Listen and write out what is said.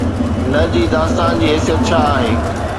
نه جي داستان جي حيثيت ڇا آهي؟